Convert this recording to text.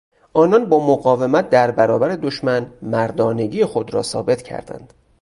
آنان با مقاومت در برابر دشمن مردانگی خود را ثابت کردند.